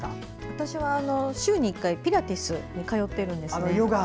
私は、週に１回ピラティスに通っているんです。